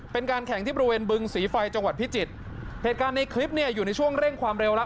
เป็นการแข่งที่บริเวณบึงศรีไฟจังหวัดพิจิตรเหตุการณ์ในคลิปเนี่ยอยู่ในช่วงเร่งความเร็วแล้ว